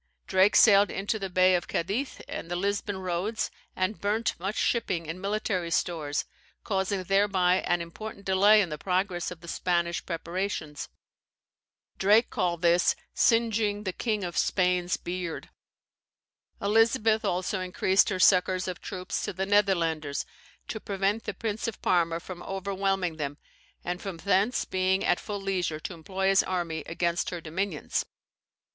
Drake sailed into the Bay of Cadiz and the Lisbon Roads, and burnt much shipping and military stores, causing thereby an important delay in the progress of the Spanish preparations. Drake called this "Singeing the King of of Spain's beard." Elizabeth also increased her succours of troops to the Netherlanders, to prevent the Prince of Parma from overwhelming them, and from thence being at full leisure to employ his army against her dominions.